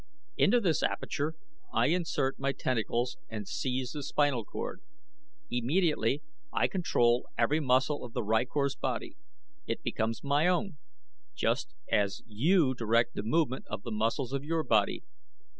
Into this aperture I insert my tentacles and seize the spinal cord. Immediately I control every muscle of the rykor's body it becomes my own, just as you direct the movement of the muscles of your body.